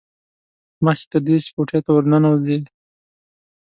مخکې تر دې چې کوټې ته ور ننوځي.